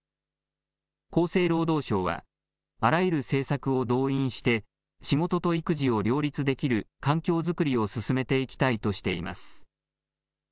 厚生労働省はあらゆる政策を動員して仕事と育児を両立できる環境作りを進めていきたいとしています。